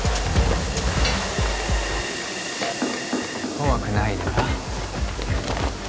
怖くないでな